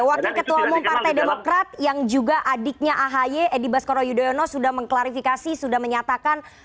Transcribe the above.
wakil ketua umum partai demokrat yang juga adiknya ahi edi baskoro yudhoyono sudah mengklarifikasi sudah menyatakan